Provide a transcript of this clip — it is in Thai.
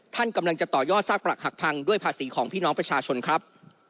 ท่านกำลังจะต่อยอดซากปรักหักพังด้วยภาษีของพี่น้องประชาชนครับ